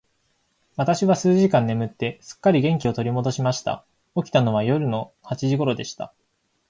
私は数時間眠って、すっかり元気を取り戻しました。起きたのは夜の八時頃でした。